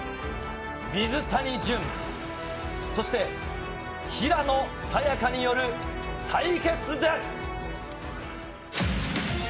水谷隼、そして平野早矢香による対決です！